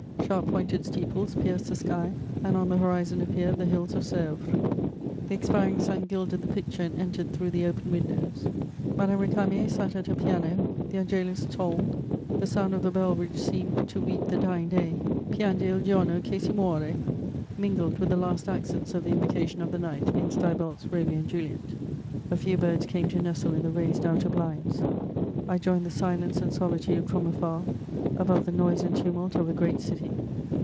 Sharp pointed steeples pierced the sky, and on the horizon appeared the hills of Sèvres. The expiring sun gilded the picture and entered through the open windows. Madame Récamier sat at her piano; the Angelus tolled: the sound of the bell which seemed "to weep the dying day, pianger il giorno che si muore," mingled with the last accents of the Invocation of the Night in Steibelt's Romeo and Juliet. A few birds came to nestle in the raised outer blinds; I joined the silence and solitude from afar, above the noise and tumult of a great city.